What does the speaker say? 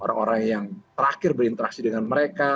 orang orang yang terakhir berinteraksi dengan mereka